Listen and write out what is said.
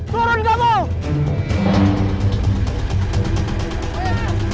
turun gak mau